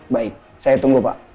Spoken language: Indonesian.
baik saya tunggu pak